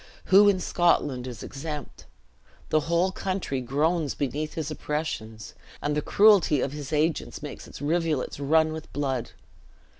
Who in Scotland is exempt? The whole country groans beneath his oppressions, and the cruelty of his agents makes its rivulets run with blood.